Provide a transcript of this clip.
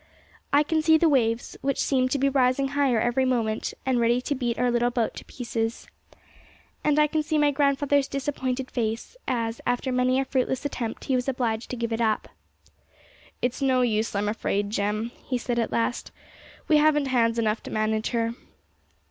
I can see the waves, which seemed to be rising higher every moment, and ready to beat our little boat to pieces. And I can see my grandfather's disappointed face, as, after many a fruitless attempt, he was obliged to give it up. 'It's no use, I'm afraid, Jem,' he said at last; 'we haven't hands enough to manage her.'